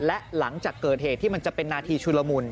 และหลังจากเกิดเหตุที่มันจะเป็นนาทีชุลมุน